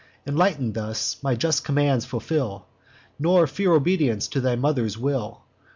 Enlighten'd thus, my just commands fulfil, Nor fear obedience to your mother's will.